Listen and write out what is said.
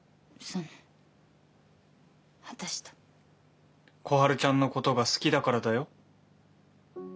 そのあたしと小春ちゃんのことが好きだからだよ